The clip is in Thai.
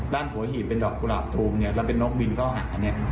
หัวหีบเป็นดอกกุหลาบภูมิเนี่ยแล้วเป็นนกบินเข้าหาเนี่ย